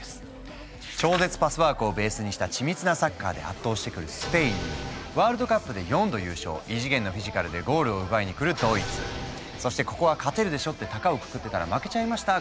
超絶パスワークをベースにした緻密なサッカーで圧倒してくるスペインにワールドカップで４度優勝異次元のフィジカルでゴールを奪いにくるドイツそしてここは勝てるでしょってたかをくくってたら負けちゃいました！